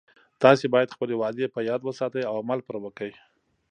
تاسې باید خپلې وعدې په یاد وساتئ او عمل پری وکړئ